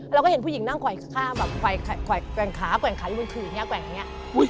เราก็เห็นผู้หญิงนั่งขวายข้าวแบบขวายขวายขวายแกว่งขาแกว่งขาอยู่บนถืออย่างเงี้ยแกว่งอย่างเงี้ย